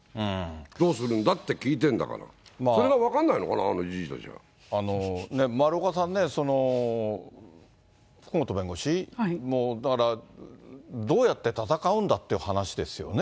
どうするんだって聞いてるんだから、それが分かんないのかな、あ丸岡さんね、福本弁護士、だから、どうやって戦うんだっていう話ですよね。